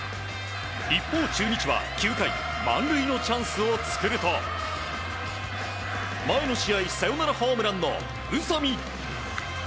一方、中日は９回満塁のチャンスを作ると前の試合、サヨナラホームランの宇佐見。